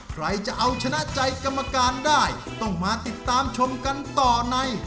ใครจะเอาชนะใจกรรมการได้ต้องมาติดตามชมกันต่อใน